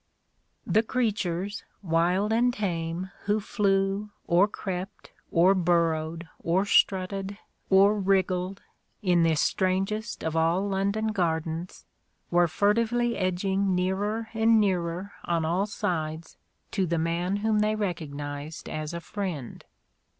The creatures, wild and tame, who flew, or crept, or burrowed, or strutted, or wriggled, in this strangest of all London gardens, were furtively edging nearer and nearer on all sides to the man whom they recognized as a friend.